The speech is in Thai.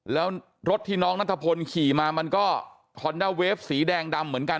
แล้วรถที่น้องนัทพลขี่มามันก็ฮอนด้าเวฟสีแดงดำเหมือนกัน